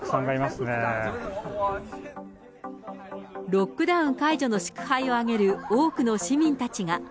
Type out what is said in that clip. ロックダウン解除の祝杯を挙げる多くの市民たちが。